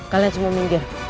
kalian semua minggir